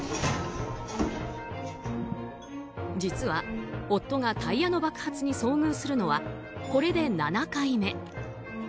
実は、夫がタイヤの爆発に遭遇するのはこれで７回目。